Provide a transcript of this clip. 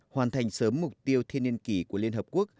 hoàn thành sớm mục tiêu thiên niên kỷ của liên hợp quốc